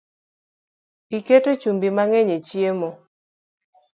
Iketo chumbi mangeny e chiemo